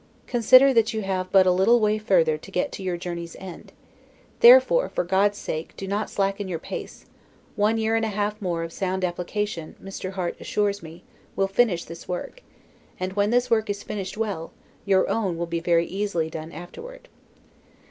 Consider, that you have but a little way further to get to your journey's end; therefore, for God's sake, do not slacken your pace; one year and a half more of sound application, Mr. Harte assures me, will finish this work; and when this work is finished well, your own will be very easily done afterward.